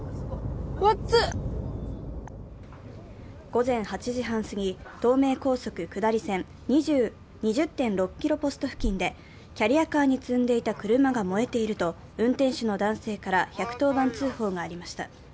午前８時半過ぎ、東名高速道路下り線２０．６ｋｍポスト付近で、キャリアカーに積んでいた車が燃えていると運転手の男性から１１０番通報がありました。